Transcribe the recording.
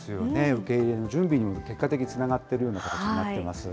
受け入れの準備に結果的につながっているような形になっています。